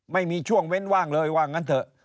ไม่มีช่วงเว้นว่างเลยว่างั้นเถอะ